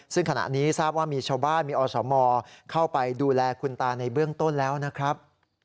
ซึ่งขณะนี้ทราบว่ามีชาวบ้านมีอสมเข้าไปดูแลคุณตาในเบื้องต้นแล้วนะครับ